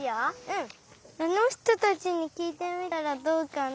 あのひとたちにきいてみたらどうかな。